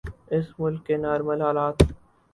اس ملک کے نارمل حالات۔